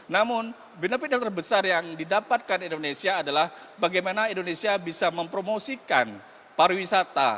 namun benefit yang terbesar yang didapatkan indonesia adalah bagaimana indonesia bisa mempromosikan pariwisata